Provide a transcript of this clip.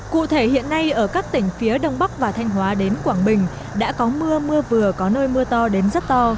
cụ thể hiện nay ở các tỉnh phía đông bắc và thanh hóa đến quảng bình đã có mưa mưa vừa có nơi mưa to đến rất to